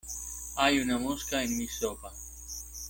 Hay una mosca en mi sopa.